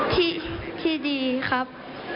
ที่ดีครับ